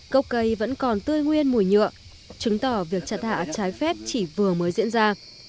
cốc cây vẫn còn tươi nguyên mùi nhựa chứng tỏ việc chặt hạ trái phép chỉ vừa mới diễn ra